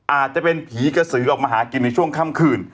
อาจจะเป็นผีกระสือออกมาหากินในช่วงค่ำคืน